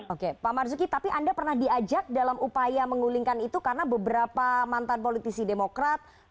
oke pak marzuki tapi anda pernah diajak dalam upaya menggulingkan itu karena beberapa mantan politisi demokrat